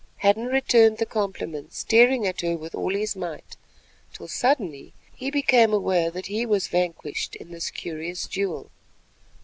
Hadden returned the compliment, staring at her with all his might, till suddenly he became aware that he was vanquished in this curious duel.